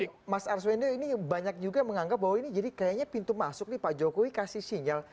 tapi mas arswendo ini banyak juga yang menganggap bahwa ini jadi kayaknya pintu masuk nih pak jokowi kasih sinyal